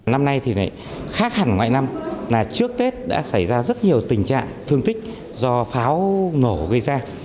năm nay thì khác hẳn mọi năm là trước tết đã xảy ra rất nhiều tình trạng thương tích do pháo nổ gây ra